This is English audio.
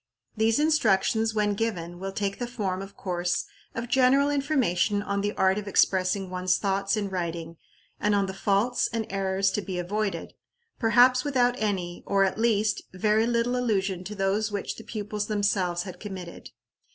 These instructions, when given, will take the form, of course, of general information on the art of expressing one's thoughts in writing, and on the faults and errors to be avoided, perhaps without any, or, at least, very little allusion to those which the pupils themselves had committed.